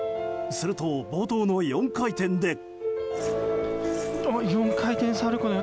すると、冒頭の４回転で。